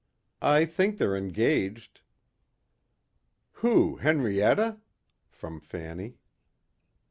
"I think they're engaged." "Who, Henrietta?" from Fanny.